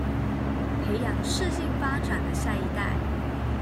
培養適性發展的下一代